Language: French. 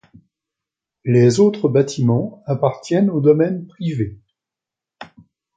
Les autres bâtiments appartiennent au domaine privé.